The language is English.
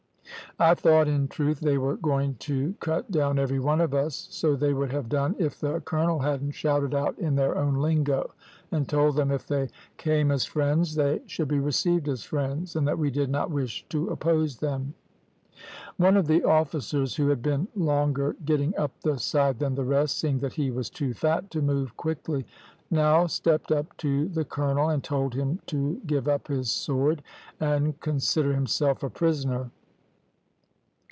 I thought, in truth, they were going to cut down every one of us; so they would have done if the colonel hadn't shouted out in their own lingo, and told them if they came as friends they should be received as friends, and that we did not wish to oppose them. "One of the officers who had been longer getting up the side than the rest (seeing that he was too fat to move quickly) now stepped up to the colonel and told him to give up his sword, and consider himself a prisoner.